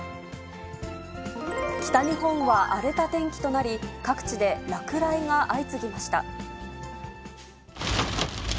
北日本は荒れた天気となり、各地で落雷が相次ぎました。